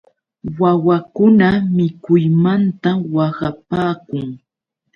Wawakuna mikuymanta waqapaakun.